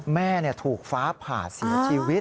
แม่ถูกฟ้าผ่าเสียชีวิต